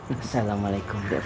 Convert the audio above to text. assalamualaikum de fatin